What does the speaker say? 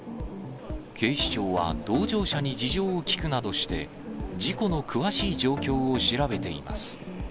警視庁は、同乗者に事情を聴くなどして、事故の詳しい状況を調べています。